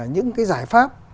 những cái giải pháp